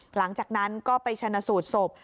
หลังจากนั้นก็ไปชนะสูตรศพ